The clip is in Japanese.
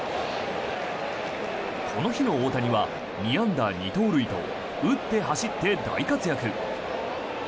この日の大谷は２安打２盗塁と打って走って大活躍。